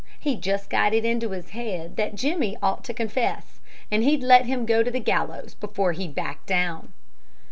He's just got it into his head that Jimmie ought to confess, and he'd let him go to the gallows before he'd back down."